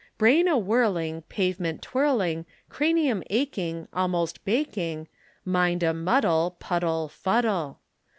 Brain a whirling, pavement twirling, Cranium aching, almost baking, Mind a muddle, puddle, fuddle.